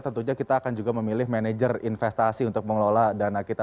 tentunya kita akan juga memilih manajer investasi untuk mengelola dana kita